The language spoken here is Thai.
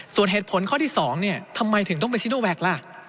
ส่วนเหตุผลข้อที่๒เนี่ยทำไมถึงต้องไปชี้นูแว็กล่ะ